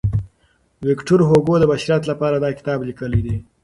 ویکټور هوګو د بشریت لپاره دا کتاب لیکلی دی.